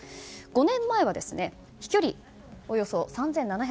５年前は飛距離およそ３７００ｋｍ